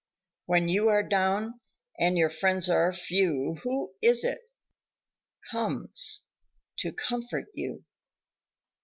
When you are down and your friends are few, Who is it comes to comfort you?